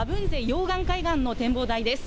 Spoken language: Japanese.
溶岩海岸の展望台です。